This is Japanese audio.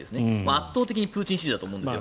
圧倒的にプーチン支持だと思うんです。